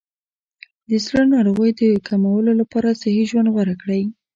د زړه ناروغیو د کمولو لپاره صحي ژوند غوره کړئ.